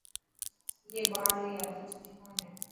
اي ٻاڙري عادت سٺي ڪون هي.